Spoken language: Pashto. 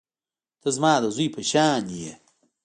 ته زما د زوى په شانتې يې.